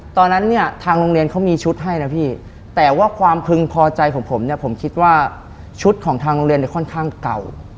ตอนนั้นเนี่ยทางโรงเรียนเขามีชุดให้นะพี่แต่ว่าความพึงพอใจของผมเนี่ยผมคิดว่าชุดของทางโรงเรียนเนี่ยค่อนข้างเก่า